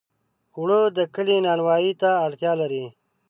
اوړه د کلي نانوایۍ ته اړتیا لري